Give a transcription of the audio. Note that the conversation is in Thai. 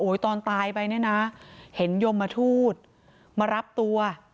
ตอนตายไปเนี่ยนะเห็นยมทูตมารับตัว